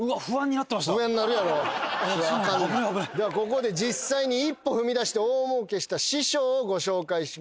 ここで実際に一歩踏み出して大もうけした師匠をご紹介しましょう。